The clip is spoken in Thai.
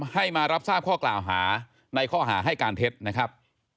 ให้มารับทราบข้อกล่าวหาในข้อหาให้การเท็จนะครับ